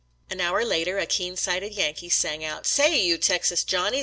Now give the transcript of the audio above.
An hour later a keen sighted Yankee sang out, " Say, you Texas Johnnies